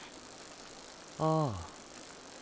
ああ。